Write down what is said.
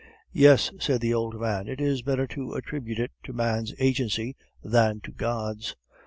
"Yes," said the old man, "it is better to attribute it to man's agency than to God's."